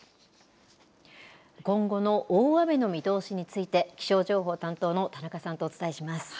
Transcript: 今後の大雨の見通しについて、気象情報担当の田中さんとお伝えします。